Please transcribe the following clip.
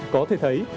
có thể thấy